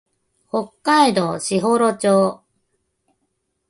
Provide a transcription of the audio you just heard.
北海道士幌町